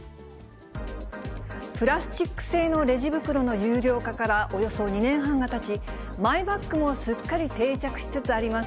プラスチック製のレジ袋の有料化からおよそ２年半がたち、マイバッグもすっかり定着しつつあります。